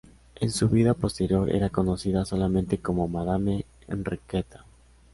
En su vida posterior era conocida solamente como Madame Enriqueta.